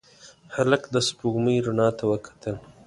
هلک د سپوږمۍ رڼا ته وکتل.